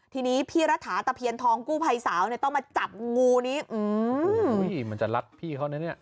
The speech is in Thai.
ทีนี้พี่รัฐาตะเพียนทองกู้ภัยสาวเนี่ยต้องมาจับงูนี้มันจะรัดพี่เขานะเนี่ย